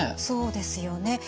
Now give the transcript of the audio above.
そうですよね。